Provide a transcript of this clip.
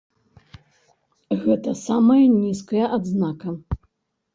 Гэта самая нізкая адзнака.